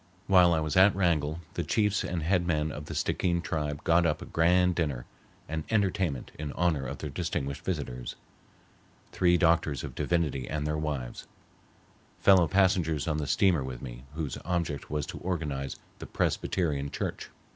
While I was at Wrangell the chiefs and head men of the Stickeen tribe got up a grand dinner and entertainment in honor of their distinguished visitors, three doctors of divinity and their wives, fellow passengers on the steamer with me, whose object was to organize the Presbyterian church.